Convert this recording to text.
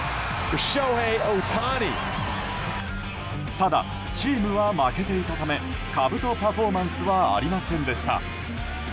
ただ、チームは負けていたためかぶとパフォーマンスはありませんでした。